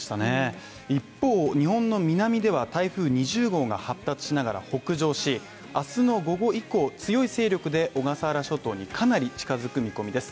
一方、日本の南では台風２０号が発達しながら北上し、明日の午後以降強い勢力で小笠原諸島にかなり近づく見込みです。